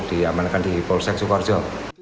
di amalkan di polsek soekarjo